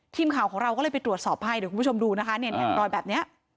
ทีมข่าวของเราก็เลยไปตรวจสอบให้เดี๋ยวคุณผู้ชมดูนะคะเนี่ยรอยแบบนี้